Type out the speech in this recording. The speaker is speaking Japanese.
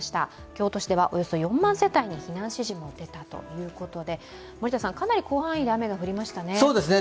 京都市ではおよそ４万世帯に避難指示が出たということでかなり広範囲に雨が降りましたね。